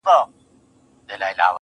نور مينه نه کومه دا ښامار اغزن را باسم.